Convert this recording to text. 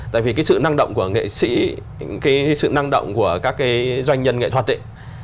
tại vì cái sự năng động của nghệ sĩ cái sự năng động của các cái doanh nhân nghệ thuật ấy